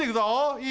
いい？